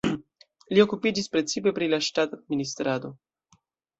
Li okupiĝis precipe pri la ŝtata administrado.